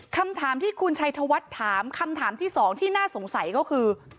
คำถามที่คุณชัยธวัฒน์ถามคำถามที่สองที่น่าสงสัยก็คือ